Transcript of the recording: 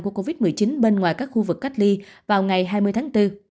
của covid một mươi chín bên ngoài các khu vực cách ly vào ngày hai mươi tháng bốn